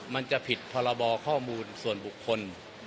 มันจะผิดพรบข้อมูลส่วนบุคคล